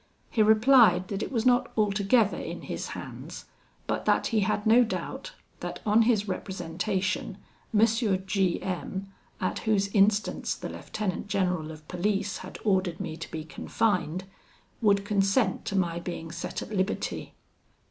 He replied that it was not altogether in his hands, but that he had no doubt that on his representation M. G M , at whose instance the lieutenant general of police had ordered me to be confined, would consent to my being set at liberty.